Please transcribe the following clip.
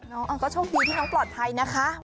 น้องก็โชคดีที่น้องปลอดภัยนะคะ